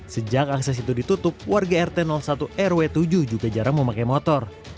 sejak akses itu ditutup warga rt satu rw tujuh juga jarang memakai motor